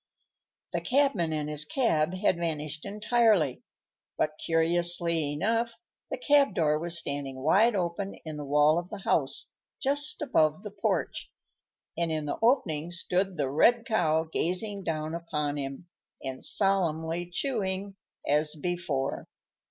The cabman and his cab had vanished entirely, but, curiously enough, the cab door was standing wide open in the wall of the house, just above the porch, and in the opening stood the red Cow gazing down upon him, and solemnly chewing, as before.